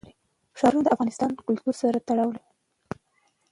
ښارونه د افغان کلتور سره تړاو لري.